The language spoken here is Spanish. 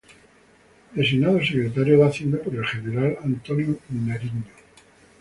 Designado Secretario de Hacienda por el general Antonio Nariño.